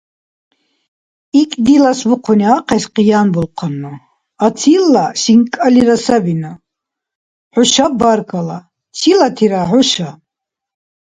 — Икӏди ласбулхъуни ахъес къиянбулхъанну, аццила, шинкӏалира сабину, хӏушаб баркалла. Чилатира хӏуша?